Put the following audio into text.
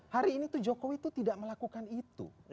hari ini tuh jokowi itu tidak melakukan itu